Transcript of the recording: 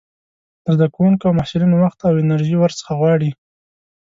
د زده کوونکو او محصلينو وخت او انرژي ورڅخه غواړي.